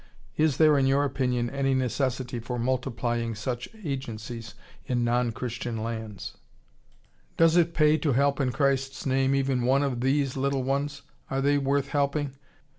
Is there in your opinion any necessity for multiplying such agencies in non Christian lands? Does it pay to help in Christ's name even one of these little ones? Are they worth helping?